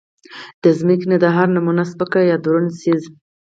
د زمکې نه د هر نمونه سپک يا درون څيز